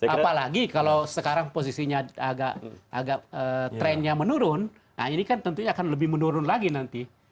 apalagi kalau sekarang posisinya agak trennya menurun nah ini kan tentunya akan lebih menurun lagi nanti